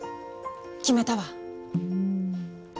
決めたわ！